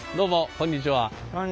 こんにちは。